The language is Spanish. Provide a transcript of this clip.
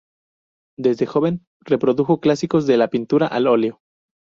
Desde joven reprodujo clásicos de la pintura al óleo.